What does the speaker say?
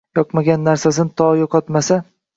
Yoqmagan narsasin to yo’qotmasa